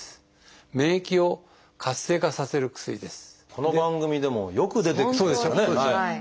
この番組でもよく出てきてますからね。